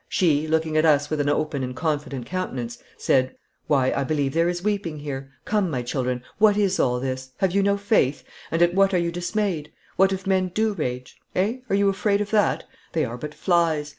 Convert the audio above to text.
She, looking at us with an open and confident countenance, said, 'Why, I believe there is weeping here! Come, my children, what is all this? Have you no faith? And at what are you dismayed? What if men do rage? Eh? Are you afraid of that? They are but flies!